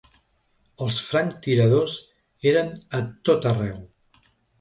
Els franctiradors eren a tot arreu.